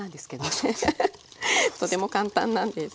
とても簡単なんです。